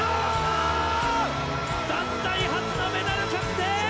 団体初のメダル確定！